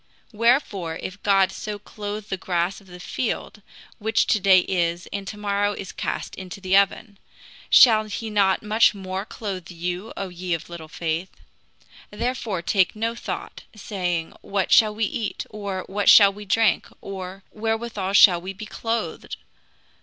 Wherefore, if God so clothe the grass of the field, which to day is, and to morrow is cast into the oven, shall he not much more clothe you, O ye of little faith? Therefore take no thought, saying, What shall we eat? or, What shall we drink? or, Wherewithal shall we be clothed?